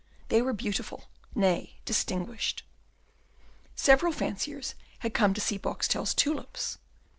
They were beautiful, nay, distinguished. Several fanciers had come to see Boxtel's tulips.